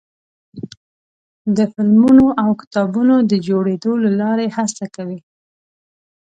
د فلمونو او کتابونو د جوړېدو له لارې هڅه کوي.